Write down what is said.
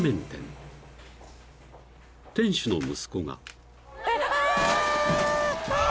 ［店主の息子が］